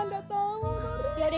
nggak ada tau oma